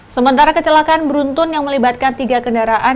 sementara kecelakaan beruntun yang melibatkan tiga kendaraan